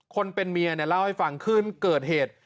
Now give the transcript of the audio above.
คนเป็นเมียเนี่ยเล่าให้ฟังคืนเกิดเหตุ